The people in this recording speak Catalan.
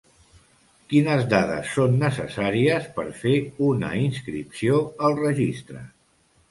Quines dades són necessàries per fer una inscripció al registre?